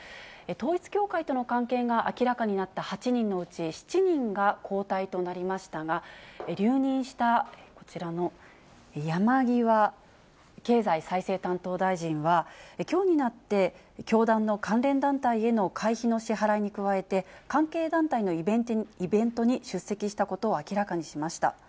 統一教会との関係が明らかになった８人のうち、７人が交代となりましたが、留任した、こちらの山際経済再生担当大臣は、きょうになって教団の関連団体への会費の支払いに加えて、関係団体のイベントに出席したことを明らかにしました。